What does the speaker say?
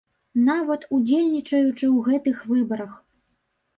Нават удзельнічаючы ў гэтых выбарах.